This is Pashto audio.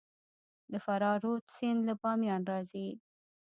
د فراه رود سیند له بامیان راځي